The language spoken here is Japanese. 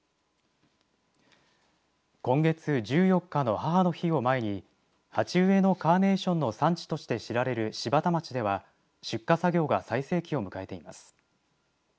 今月１４日の母の日を前に鉢植えのカーネーションの産地として知られる柴田町では出荷作業が最盛期を迎えています。